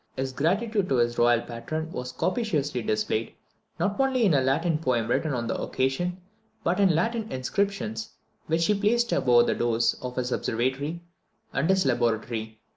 His gratitude to his royal patron was copiously displayed, not only in a Latin poem written on the occasion, but in Latin inscriptions which he placed above the doors of his observatory and his laboratory.